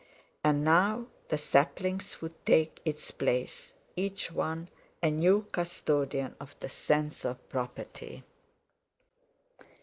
And now the saplings would take its place, each one a new custodian of the sense of property.